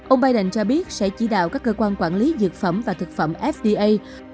ông biden cho biết sẽ chỉ đạo các cơ quan quản lý dược phẩm và thực phẩm fda